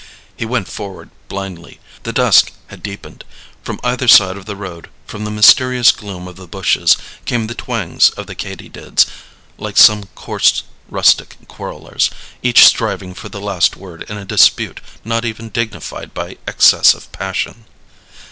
He went forward blindly. The dusk had deepened; from either side of the road, from the mysterious gloom of the bushes, came the twangs of the katydids, like some coarse rustic quarrellers, each striving for the last word in a dispute not even dignified by excess of passion.